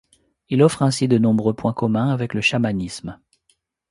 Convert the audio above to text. Il offre ainsi de nombreux points communs avec le chamanisme.